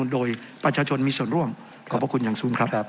โดยประชาชนมีส่วนร่วมขอบพระคุณอย่างสูงครับ